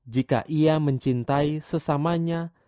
jika ia mencintai sesamanya